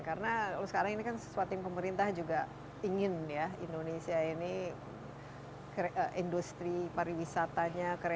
karena sekarang ini kan sesuatu yang pemerintah juga ingin ya indonesia ini industri pariwisatanya